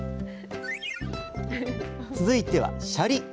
続いてはシャリ。